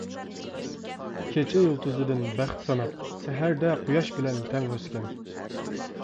كېچە يۇلتۇزىدىن بەخت ساناپ، سەھەردە قۇياش بىلەن تەڭ ئۆسكەن.